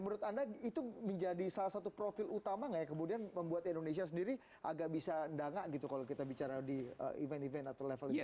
menurut anda itu menjadi salah satu profil utama nggak ya kemudian membuat indonesia sendiri agak bisa dana gitu kalau kita bicara di event event atau level internasional